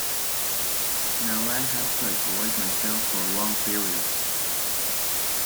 Now I have to isolate myself for long periods.